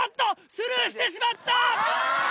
スルーしてしまった！